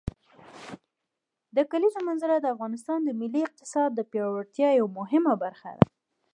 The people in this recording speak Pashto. د کلیزو منظره د افغانستان د ملي اقتصاد د پیاوړتیا یوه مهمه برخه ده.